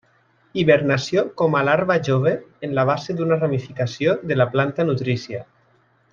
Hibernació com a larva jove en la base d'una ramificació de la planta nutrícia.